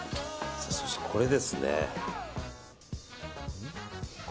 そして、これですね。